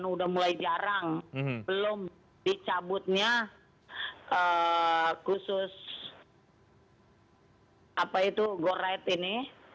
udah mulai jarang belum dicabutnya khusus apa itu goret ini